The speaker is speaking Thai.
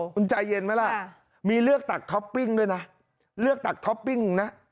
คุณใจเย็นไหมล่ะมีเลือกตักท็อปปิ้งด้วยนะเลือกตักท็อปปิ้งนะ